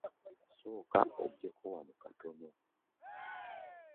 Sooka ojjeko wano katono.